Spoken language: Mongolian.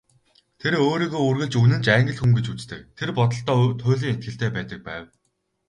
Тэр өөрийгөө үргэлж үнэнч Англи хүн гэж үздэг, тэр бодолдоо туйлын итгэлтэй байдаг байв.